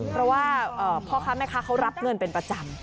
เพราะว่าพ่อค้าแม่ค้าเขารับเงินเป็นประจำ